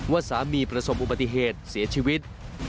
ว่าสามีประสบอุบัติเหตุเสียชีวิต